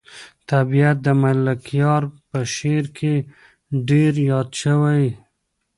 طبیعت د ملکیار په شعر کې ډېر یاد شوی.